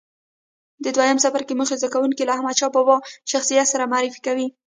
د دویم څپرکي موخې زده کوونکي له احمدشاه بابا شخصیت سره معرفي کوي.